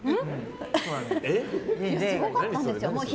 えっ？すごかったんですよ。